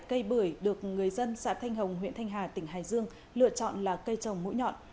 cây bưởi được người dân xã thanh hồng huyện thanh hà tỉnh hải dương lựa chọn là cây trồng mũi nhọn